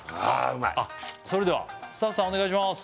うまいそれではスタッフさんお願いします